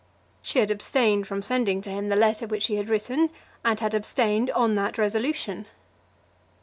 She had abstained from sending to him the letter which she had written, and had abstained on that resolution.